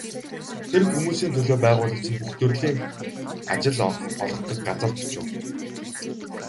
Тэр хүмүүсийн төлөө байгуулагдсан бүх төрлийн ажил олгодог газарт очив.